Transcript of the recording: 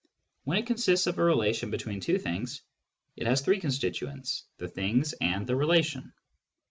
When it consists of a relation between two things, it has three constituents, the things and the rela tion.